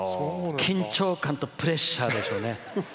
緊張感とプレッシャーでしょうね。